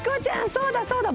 そうだそうだ。